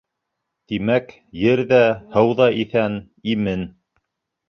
Тимәк, ер ҙә, һыу ҙа иҫән, имен.